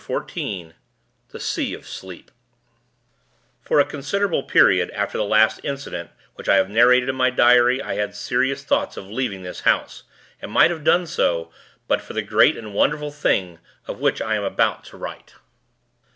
XIV THE SEA OF SLEEP For a considerable period after the last incident which I have narrated in my diary, I had serious thoughts of leaving this house, and might have done so; but for the great and wonderful thing, of which I am about to write.